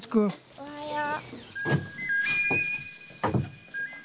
おはよう。